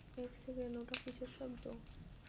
এক সেকেন্ড, ওটা কিসের শব্দ?